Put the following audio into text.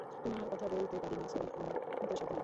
তোমার কথা বলতে পারি নে সরি, আমার তো সাধ্য নেই।